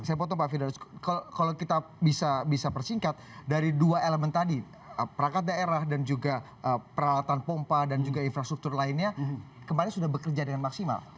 saya potong pak fidaus kalau kita bisa persingkat dari dua elemen tadi perangkat daerah dan juga peralatan pompa dan juga infrastruktur lainnya kemarin sudah bekerja dengan maksimal